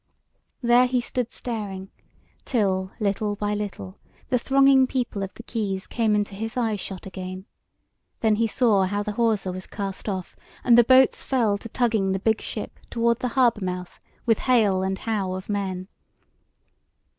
There he stood staring, till little by little the thronging people of the quays came into his eye shot again; then he saw how the hawser was cast off and the boats fell to tugging the big ship toward the harbour mouth with hale and how of men.